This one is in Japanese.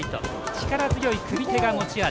力強い組み手が持ち味。